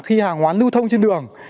khi hàng hoán lưu thông trên đường